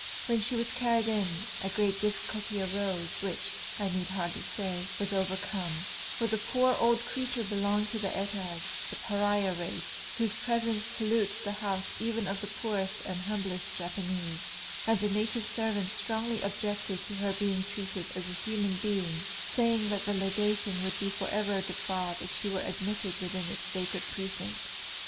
When she was carried in, a great difficulty arose, which, I need hardly say, was overcome; for the poor old creature belonged to the Etas, the Pariah race, whose presence pollutes the house even of the poorest and humblest Japanese; and the native servants strongly objected to her being treated as a human being, saying that the Legation would be for ever defiled if she were admitted within its sacred precincts.